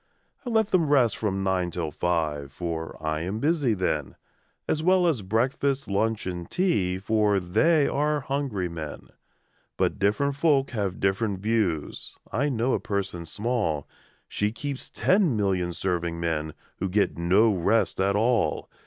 I let them rest from nine till five. For I am busy then, As well as breakfast, lunch, and tea, For they are hungry men: But different folk have different views: I know a person small She keeps ten million serving men, Who get no rest at all!